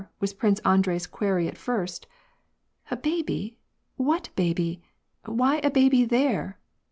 was Prince Andrei's query at first. "A baby? What baby? Why a baby there